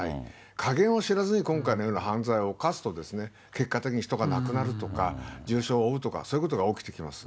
加減を知らずに、今回のような犯罪を犯すと、結果的に人が亡くなるとか、重傷を負うとか、そういうことが起きてきます。